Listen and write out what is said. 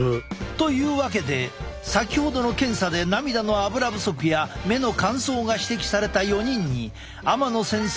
というわけで先ほどの検査で涙のアブラ不足や目の乾燥が指摘された４人に天野先生